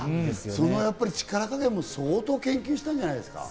その力加減も相当研究したんじゃないですか？